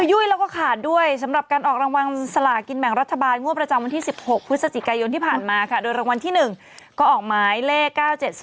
ยุ่ยแล้วก็ขาดด้วยสำหรับการออกรางวัลสลากินแบ่งรัฐบาลงวดประจำวันที่๑๖พฤศจิกายนที่ผ่านมาค่ะโดยรางวัลที่๑ก็ออกหมายเลข๙๗๒